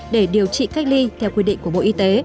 để điều trị cách ly theo quy định của bộ y tế